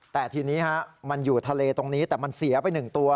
แต่ทีนี้มันอยู่ทะเลตรงนี้แต่มันเสียไป๑ตัว